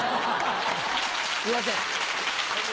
すいません。